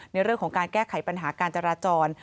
ในเรื่องของการแก้ไขปัญหาการจราจร